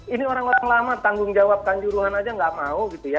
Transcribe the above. ini orang orang lama tanggung jawab kanjuruhan saja tidak mau